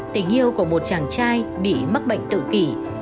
tình yêu của một chàng trai bị mắc bệnh tự kỷ